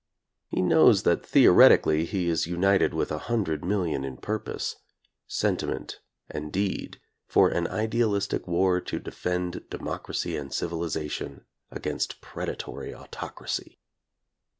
He knows that theoretically he is united with a hundred million in purpose, sentiment and deed for an idealistic war to defend democracy and civilization against predatory autocracy.